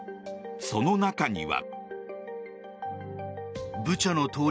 その中には。